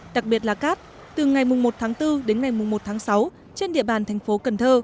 đặc biệt là cát từ ngày một bốn đến ngày một sáu trên địa bàn tp cn